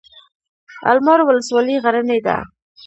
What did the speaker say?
المار ولسوالۍ غرنۍ ده؟